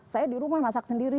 saya di rumah masak sendiri